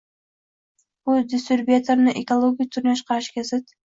Bu distribyuterning ekologik dunyoqarashiga zid